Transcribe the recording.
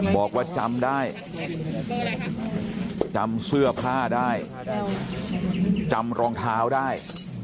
บอกว่าจำได้จำเสื้อผ้าได้จำรองเท้าได้